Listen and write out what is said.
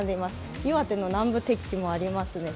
岩手の南部鉄器もありますね。